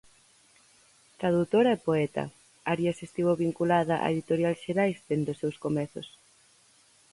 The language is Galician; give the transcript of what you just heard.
Tradutora e poeta, Arias estivo vinculada á editorial Xerais dende os seus comezos.